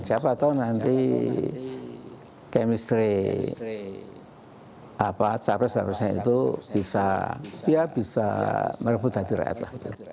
siapa tahu nanti chemistry capresnya itu bisa merebut hati rakyat lah